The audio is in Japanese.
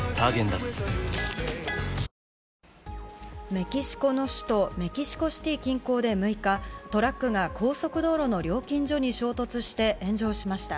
メキシコの首都メキシコシティ近郊で６日トラックが高速道路の料金所に衝突して炎上しました。